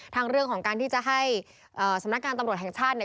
เรื่องของการที่จะให้สำนักงานตำรวจแห่งชาติเนี่ย